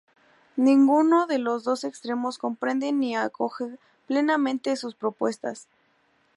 Ninguno de los dos extremos comprende ni acoge plenamente sus propuestas.